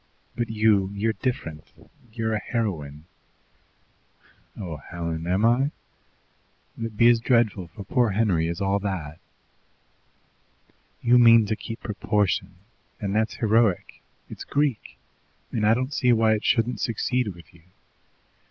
But you, you're different; you're a heroine." "Oh, Helen! Am I? Will it be as dreadful for poor Henry as all that?" "You mean to keep proportion, and that's heroic, it's Greek, and I don't see why it shouldn't succeed with you.